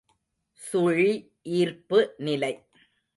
சுழி ஈர்ப்பு நிலை.